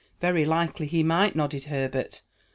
"Very likely he might," nodded Herbert.